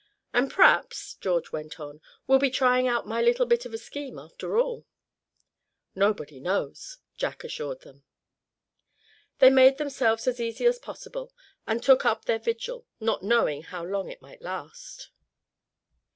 "And p'raps," George went on, "we'll be trying out my little bit of a scheme, after all." "Nobody knows," Jack assured them. They made themselves as easy as possible, and took up their vigil, not knowing how long it might last.